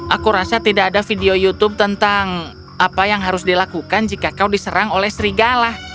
aku rasa tidak ada video youtube tentang apa yang harus dilakukan jika kau diserang oleh serigala